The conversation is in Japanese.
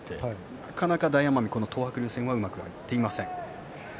なかなか大奄美東白龍戦は勝つことができません。